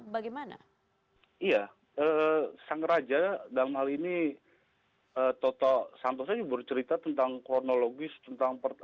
bagaimana iya sang raja dalam hal ini toto santosa bercerita tentang kronologis tentang